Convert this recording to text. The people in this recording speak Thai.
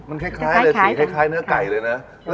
มันคล้ายเลยสีคล้ายเนื้อไก่เลยนะ